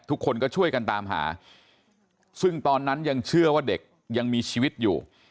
ทุกคนก็ช่วยกันตามหาซึ่งตอนนั้นยังเชื่อว่าเด็กยังมีชีวิตอยู่